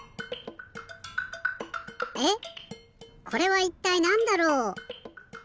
えっこれはいったいなんだろう？